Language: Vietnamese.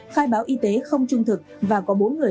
khai báo y tế không trung thực và có bốn người